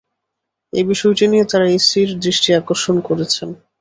এ বিষয়টি নিয়ে তাঁরা ইসির দৃষ্টি আকর্ষণ করেছেন।